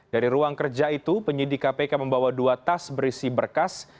dari ruang kerja itu penyidik kpk membawa dua tas berisi berkas